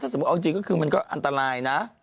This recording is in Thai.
ถ้าเริ่มเอาจริงก็คือมันก็อันตรายนะ